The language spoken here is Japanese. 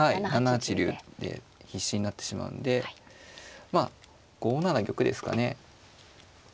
７八竜で必至になってしまうんでまあ５七玉ですかね。